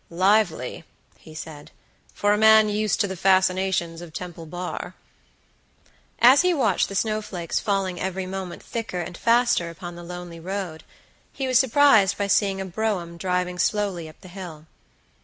"Lively," he said, "for a man used to the fascinations of Temple Bar." As he watched the snow flakes falling every moment thicker and faster upon the lonely road, he was surprised by seeing a brougham driving slowly up the hill.